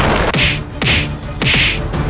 pergi ke l cinia